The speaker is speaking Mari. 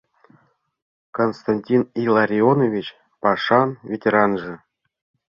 — Константин Илларионович — пашан ветеранже.